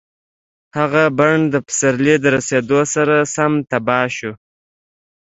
هغه بڼ د پسرلي د رسېدو سره سم تباه شو.